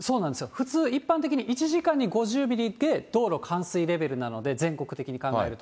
普通、一般的に１時間に５０ミリで道路冠水レベルなので、全国的に考えると。